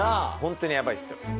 ホントにヤバいですよ。